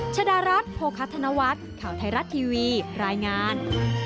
ชดารัฐโภคธนวัฒน์ข่าวไทยรัฐทีวีรายงาน